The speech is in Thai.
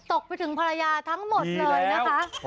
ตกไปถึงภรรยาทั้งหมดเลยนะคะ